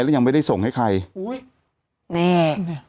แต่หนูจะเอากับน้องเขามาแต่ว่า